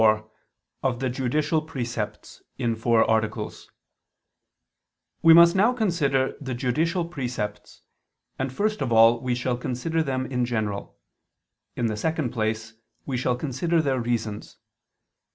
________________________ QUESTION 104 OF THE JUDICIAL PRECEPTS (In Four Articles) We must now consider the judicial precepts: and first of all we shall consider them in general; in the second place we shall consider their reasons.